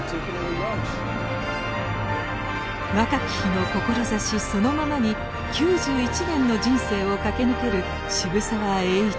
若き日の志そのままに９１年の人生を駆け抜ける渋沢栄一。